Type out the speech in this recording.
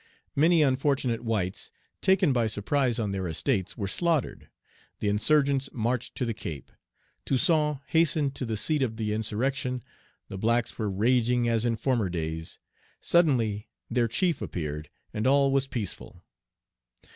Many unfortunate whites, taken by surprise on their estates, were slaughtered. The insurgents marched to the Cape. Toussaint hastened to the seat of the insurrection. The blacks were raging as in former days. Suddenly their chief Page 94 appeared, and all was peaceful.